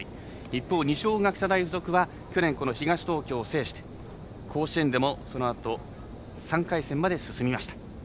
一方、二松学舎大付属は去年、東東京を制して甲子園でも、そのあと３回戦まで進みました。